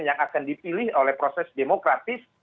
yang akan dipilih oleh proses demokratis